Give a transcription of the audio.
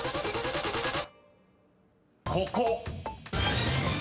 ［ここ］